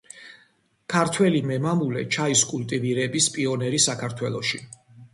ქართველი მემამულე, ჩაის კულტივირების პიონერი საქართველოში.